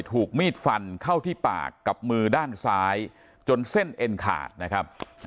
ถูกมีดฟันเข้าที่ปากกับมือด้านซ้ายจนเส้นเอ็นขาดนะครับ